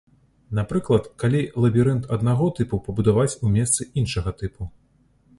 Напрыклад, калі лабірынт аднаго тыпу пабудаваць у месцы іншага тыпу?